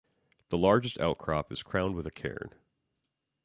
The largest outcrop is crowned with a cairn.